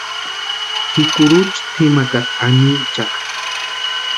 Ji kurucha tʼimakatasï anhinchakʼa.